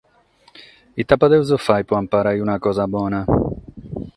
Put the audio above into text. Ite podimus fàghere pro amparare una cosa bona?